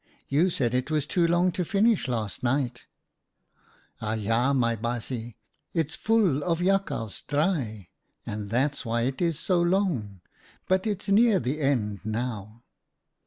You said it was too long to finish last night." " Aja, my baasje, it's full oi jakhals draaie, and that's why it is so long, but it's near the end now.